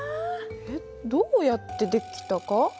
えっどうやって出来たか？